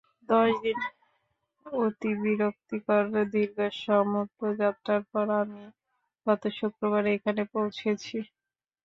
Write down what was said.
দশ দিন অতি বিরক্তিকর দীর্ঘ সমুদ্রযাত্রার পর আমি গত শুক্রবার এখানে পৌঁছেছি।